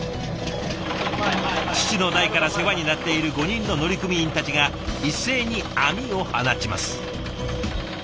父の代から世話になっている５人の乗組員たちが一斉に網を放ちます。